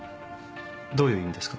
どういう意味ですか？